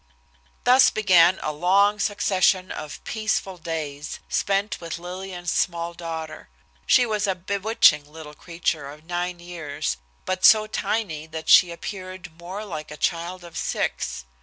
Thus began a long succession of peaceful days, spent with Lillian's small daughter. She was a bewitching little creature of nine years, but so tiny that she appeared more like a child of six.